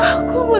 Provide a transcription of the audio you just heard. aku nghi badu